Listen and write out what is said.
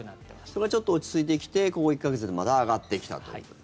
それがちょっと落ち着いてきてここ１か月でまた上がってきたという。